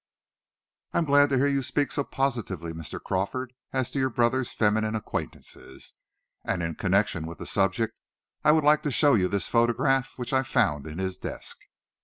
"I'm glad to hear you speak so positively, Mr. Crawford, as to your brother's feminine acquaintances. And in connection with the subject, I would like to show you this photograph which I found in his desk."